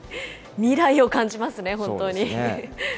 未来を感じますね、本当に。